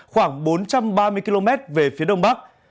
khoảng bốn trăm ba mươi km về phía đông bắc